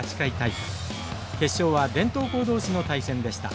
決勝は伝統校同士の対戦でした。